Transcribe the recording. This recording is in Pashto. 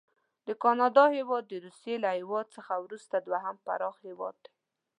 د کاناډا هیواد د روسي له هیواد څخه وروسته دوهم پراخ هیواد دی.